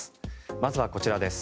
まずはこちらです。